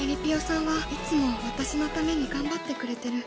さんはいつも私のために頑張ってくれてる